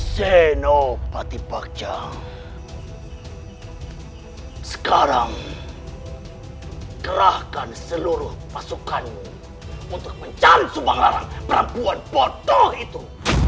senopati pakcah sekarang kerahkan seluruh pasukanmu untuk menjam subanglarang perempuan bodoh itu